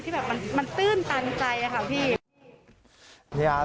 แบบมันตื้นตันใจค่ะพี่